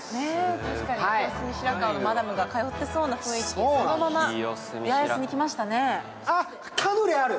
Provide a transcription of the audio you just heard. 確かに、清澄白河のマダムが通ってそうなのがそのままカヌレある。